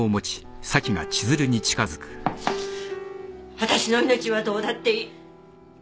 私の命はどうだっていい